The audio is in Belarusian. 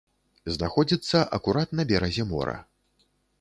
Знаходзіцца акурат на беразе мора.